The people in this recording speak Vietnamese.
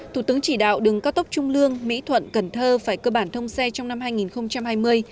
thủ tướng chỉ đạo đường cao tốc trung lương mỹ thuận cần thơ phải cơ bản thông xe trong năm hai nghìn hai mươi